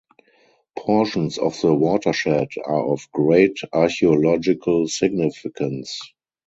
Portions of the watershed are of great archaeological significance.